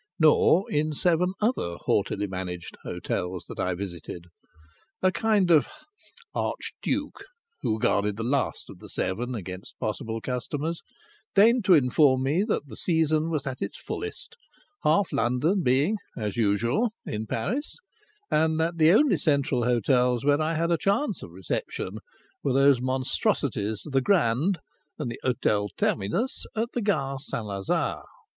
Nor in seven other haughtily managed hotels that I visited! A kind of archduke, who guarded the last of the seven against possible customers, deigned to inform me that the season was at its fullest, half London being as usual in Paris, and that the only central hotels where I had a chance of reception were those monstrosities the Grand and the Hôtel Terminus at the Gare St Lazare.